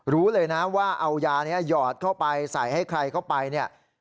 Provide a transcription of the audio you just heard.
รู้เลยนะว่าเอายานี้หยอดเข้าไปใส่ให้ใครเข้าไปเนี่ย